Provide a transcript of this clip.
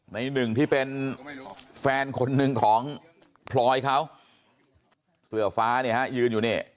หนึ่งที่เป็นแฟนคนหนึ่งของพลอยเขาเสื้อฟ้าเนี่ยฮะยืนอยู่นี่